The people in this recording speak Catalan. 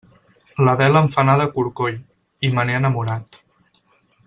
L'Adela em fa anar de corcoll i me n'he enamorat.